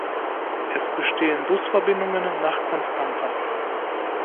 Es bestehen Busverbindungen nach Constanța.